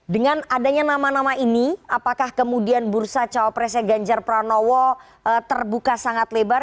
dengan adanya nama nama ini apakah kemudian bursa cawapresnya ganjar pranowo terbuka sangat lebar